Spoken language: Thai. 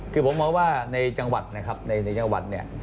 คือผมมองว่าในจังหวัดนะครับในจังหวัดเนี่ย